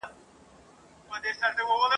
زموږ په ناړو د کلو رنځور جوړیږي !.